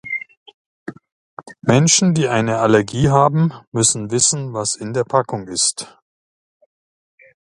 Menschen, die eine Allergie haben, müssen wissen, was in der Packung ist.